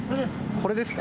これですか？